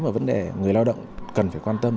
và vấn đề người lao động cần phải quan tâm